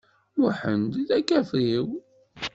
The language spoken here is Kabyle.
Muḥend d akafriw.